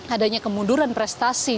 adanya kemunduran presidennya